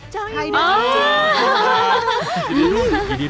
จองอินวู